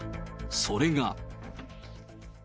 それが。